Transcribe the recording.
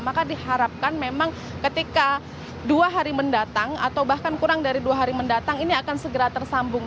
maka diharapkan memang ketika dua hari mendatang atau bahkan kurang dari dua hari mendatang ini akan segera tersambung